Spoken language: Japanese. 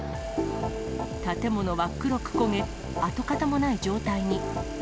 建物は黒く焦げ、跡形もない状態に。